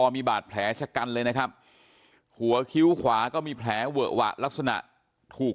มีบาดแผลชะกันเลยนะครับหัวคิ้วขวาก็มีแผลเวอะหวะลักษณะถูก